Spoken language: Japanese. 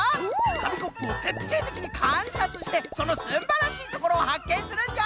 かみコップをてっていてきにかんさつしてそのすんばらしいところをはっけんするんじゃ！